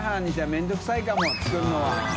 めんどくさいかも作るのは。